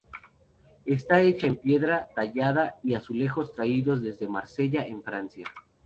Está hecha de piedra tallada y azulejos traídos desde Marsella en Francia.